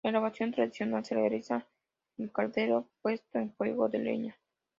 La elaboración tradicional se realiza en caldero puesto en fuego de leña.